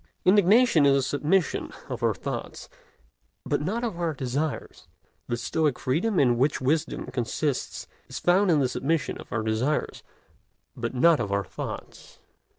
Indignation is a submission of our thoughts, but not of our desires; the Stoic freedom in which wisdom consists is found in the submission of our desires, but not of our thoughts.